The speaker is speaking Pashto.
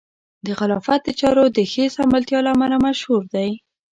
د خلافت د چارو د ښې سمبالتیا له امله مشهور دی.